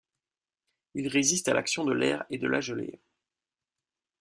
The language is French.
Ils résistent à l'action de l'air et de la gelée.